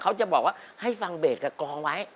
เขาจะบอกว่าให้ฟังเบสกับกองไว้